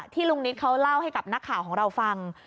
ลุงนิดเขาเล่าให้กับนักข่าวของเราฟัง